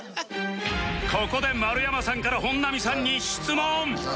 ここで丸山さんから本並さんに質問